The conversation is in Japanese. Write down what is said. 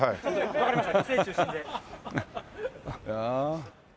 わかりました。